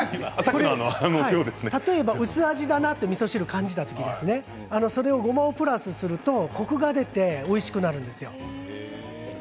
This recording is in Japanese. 例えば、薄味だなとみそ汁感じた時にそれをごまもプラスするとコクが出ておいしくなるんですよ。